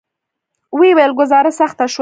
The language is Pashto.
ویې ویل: ګوزاره سخته شوه.